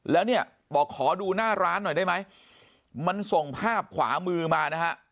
แล้วเนี่ยบอกขอดูหน้าร้านหน่อยได้ไหมมันส่งภาพขวามือมานะฮะ